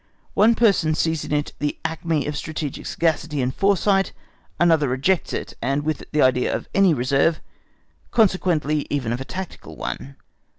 One person sees in it the acme of strategic sagacity and foresight; another rejects it, and with it the idea of any reserve, consequently even of a tactical one.